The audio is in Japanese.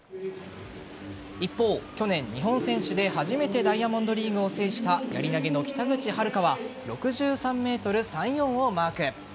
一方、去年日本選手で初めてダイヤモンドリーグを制したやり投げの北口榛花は６３ｍ３４をマーク。